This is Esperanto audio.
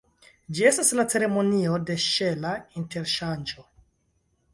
Ĝi estas la ceremonio de ŝela interŝanĝo.